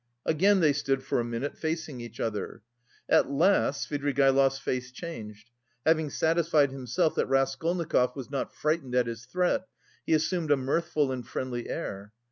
Again they stood for a minute facing each other. At last Svidrigaïlov's face changed. Having satisfied himself that Raskolnikov was not frightened at his threat, he assumed a mirthful and friendly air.